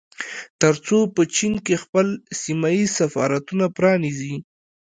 ترڅو په چين کې خپل سيمه ييز سفارتونه پرانيزي